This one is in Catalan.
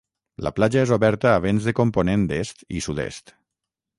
La platja és oberta a vents de component est i sud-est.